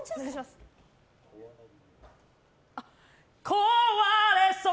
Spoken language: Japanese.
壊れそう。